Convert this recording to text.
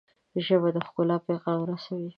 ژبه د ښکلا پیغام رسوي